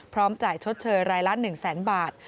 จ่ายชดเชยรายละ๑แสนบาท